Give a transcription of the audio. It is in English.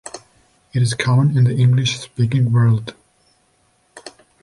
It is common in the English-speaking world.